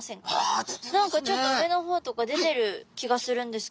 何かちょっと上の方とか出てる気がするんですけど。